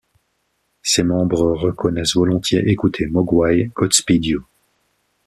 Ses membres reconnaissent volontiers écouter Mogwai, Godspeed You!